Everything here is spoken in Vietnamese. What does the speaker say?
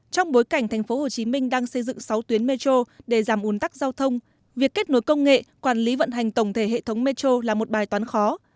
trong bối cảnh thành phố hồ chí minh đang xây dựng sáu tuyến metro để giảm ủn tắc giao thông việc kết nối công nghệ quản lý vận hành tổng thể hệ thống metro là một bài toán khó